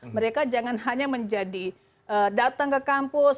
mereka jangan hanya menjadi datang ke kampus